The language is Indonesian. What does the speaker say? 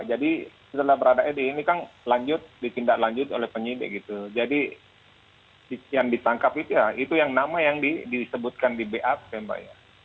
jadi setelah barada e ini kan lanjut ditindak lanjut oleh penyidik gitu jadi yang ditangkap itu ya itu yang nama yang disebutkan di bap ya mbak